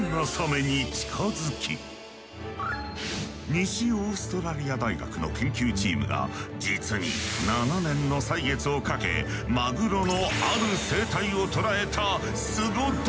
西オーストラリア大学の研究チームが実に７年の歳月をかけマグロのある生態を捉えたスゴ動画！